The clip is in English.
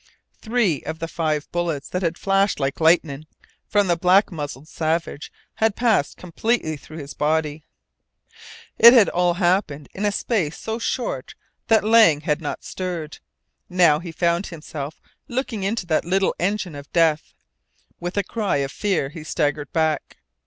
Three of the five bullets that had flashed like lightning from the black muzzled Savage had passed completely through his body. It had all happened in a space so short that Lang had not stirred. Now he found himself looking into that little engine of death. With a cry of fear he staggered back.